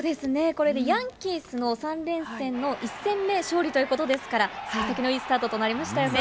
これでヤンキースの３連戦の１戦目勝利ということですから、さい先のいいスタートとなりましたよね。